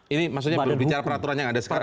ini maksudnya bicara peraturan yang ada sekarang ya